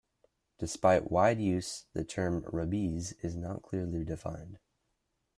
Despite wide use the term Rabiz is not clearly defined.